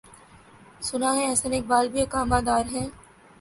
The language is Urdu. سناہے احسن اقبال بھی اقامہ دارہیں۔